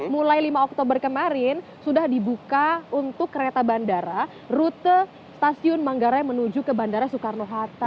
mulai lima oktober kemarin sudah dibuka untuk kereta bandara rute stasiun manggarai menuju ke bandara soekarno hatta